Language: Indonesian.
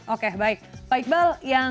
oke baik pak iqbal yang